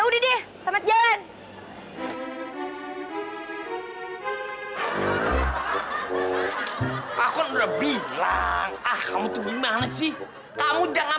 bos kenapa gak bilang kalau enggak kan